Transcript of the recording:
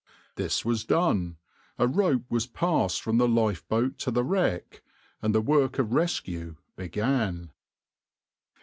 This was done, a rope was passed from the lifeboat to the wreck, and the work of rescue began.